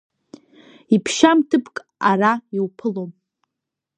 Иԥшьам ҭыԥк ара иуԥылом…